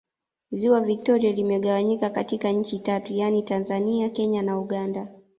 Ziwa Victoria limegawanyika katika nchi tatu yaani Tanzania Kenya na Uganda